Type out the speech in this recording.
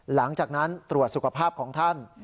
หลังจากนั้นตรวจสุขภาพของท่าน